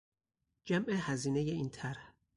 جمع هزینهی این طرح